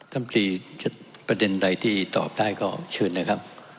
ท่านปรีประเด็นใดที่ตอบได้ก็ชื่นนะครับ